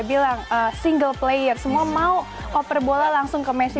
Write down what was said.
bilang single player semua mau koper bola langsung ke messi